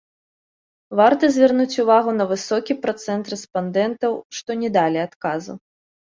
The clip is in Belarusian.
Варта звярнуць увагу на высокі працэнт рэспандэнтаў, што не далі адказу.